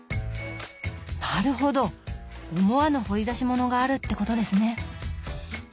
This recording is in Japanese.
なるほど思わぬ掘り出しものがあるってことですね！